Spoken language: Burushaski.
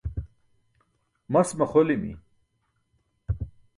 Mas maxolimi.